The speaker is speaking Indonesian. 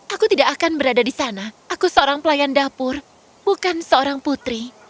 aku tidak akan berada di sana aku seorang pelayan dapur bukan seorang putri